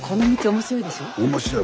面白い。